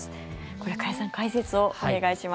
これ、加谷さん解説をお願いします。